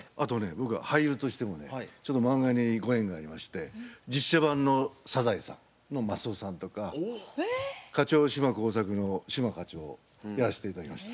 僕は俳優としてもねちょっと漫画にご縁がありまして実写版の「サザエさん」のマスオさんとか「課長島耕作」の島課長やらせて頂きました。